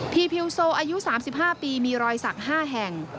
พิพิวโซอายุ๓๕ปีมีรอยสัก๕แห่ง